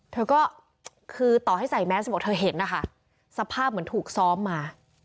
เธอก็คือต่อให้ใส่แมสบอกเธอเห็นนะคะสภาพเหมือนถูกซ้อมมา